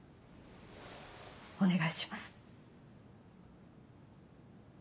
お願いします。